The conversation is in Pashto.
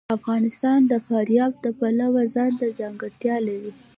افغانستان د فاریاب د پلوه ځانته ځانګړتیا لري.